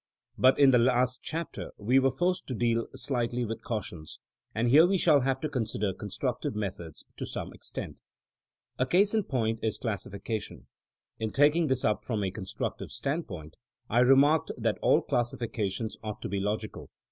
But in the last chapter we were forced to deal slightly with cautions, and here we shall have to consider constructive methods to some extent. A case in point is classification. In taking this up from a constructive standpoint, I re marked that all classifications ought to be logi cal.